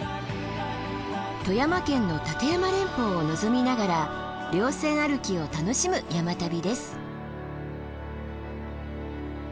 富山県の立山連峰を望みながら稜線歩きを楽しむ山旅です。